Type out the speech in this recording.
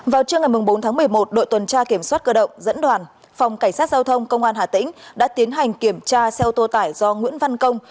vào trưa ngày bốn tháng một mươi một đội tuần tra kiểm soát cơ động dẫn đoàn phòng cảnh sát giao thông công an hà tĩnh đã tiến hành kiểm tra xe ô tô tải do nguyễn văn công